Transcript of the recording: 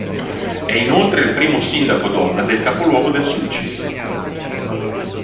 È inoltre il primo sindaco donna del capoluogo del Sulcis.